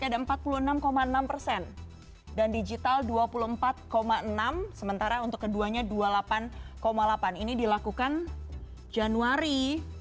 ada empat puluh enam enam persen dan digital dua puluh empat enam sementara untuk keduanya dua puluh delapan delapan ini dilakukan januari dua ribu dua puluh